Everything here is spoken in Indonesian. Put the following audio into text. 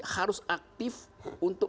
harus aktif untuk